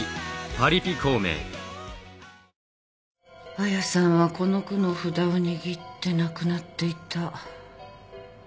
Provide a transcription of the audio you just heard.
亜矢さんはこの句の札を握って亡くなっていた。